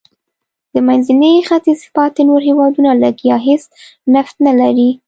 د منځني ختیځ پاتې نور هېوادونه لږ یا هېڅ نفت نه لري.